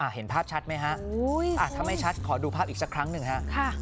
เห็นภาพชัดไหมฮะถ้าไม่ชัดขอดูภาพอีกสักครั้งหนึ่งฮะ